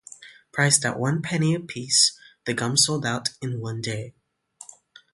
Priced at one penny a piece, the gum sold out in one day.